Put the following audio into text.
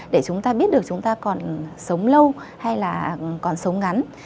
để chúng ta biết được chúng ta còn sống lâu hay là còn sống ngắn